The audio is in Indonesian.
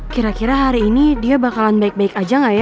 kira kira hari ini dia bakalan baik baik aja gak ya